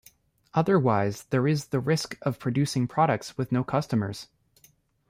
Otherwise there is the risk of producing products with no customers.